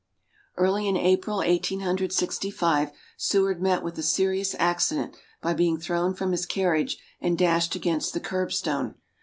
Early in April, Eighteen Hundred Sixty five, Seward met with a serious accident by being thrown from his carriage and dashed against the curbstone.